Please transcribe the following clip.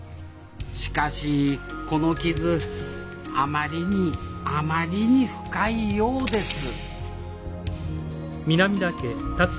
しかしこの傷あまりにあまりに深いようです